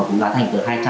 đúng là tégis